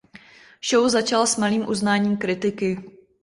Show začala s malým uznáním kritiky.